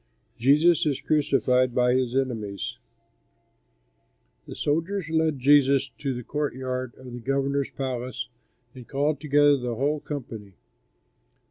JESUS IS CRUCIFIED BY HIS ENEMIES The soldiers led Jesus to the courtyard of the governor's palace and called together the whole company.